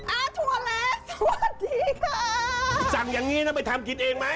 อ้าวทัวล์แลนสสวัสดีค่ะจังอย่างงี้นะไปทำกินเองมั้ย